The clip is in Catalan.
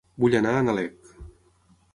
Vull anar a Nalec